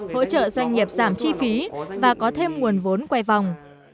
hỗ trợ doanh nghiệp giảm chi phí và có thêm nguồn vốn quay vòng